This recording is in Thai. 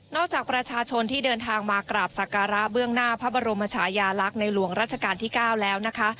จากประชาชนที่เดินทางมากราบสักการะเบื้องหน้าพระบรมชายาลักษณ์ในหลวงราชการที่๙แล้วนะคะ